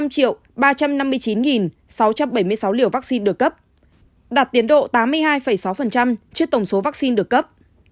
trên năm ba trăm năm mươi chín sáu trăm bảy mươi sáu liều vaccine được cấp đạt tiến độ tám mươi hai sáu trước tổng số vaccine được cấp